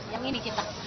yang ini kita